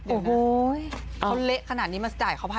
โอ้โหเขาเละขนาดนี้มันจะจ่ายเขา๑๐๐๐บาท